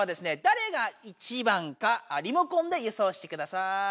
だれが１番かリモコンでよそうしてください。